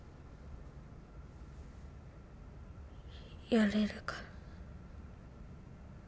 やれるから。